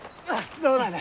どうなんだ？